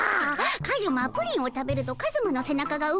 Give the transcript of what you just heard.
カズマプリンを食べるとカズマの背中が動くでおじゃる。